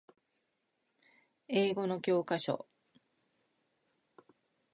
英語の教科書